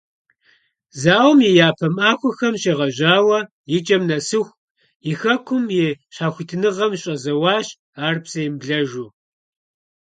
Зауэм и япэ махуэхэм щегъэжьауэ икӀэм нэсыху и хэкум и щхьэхуитыныгъэм щӀэзэуащ ар псэемыблэжу.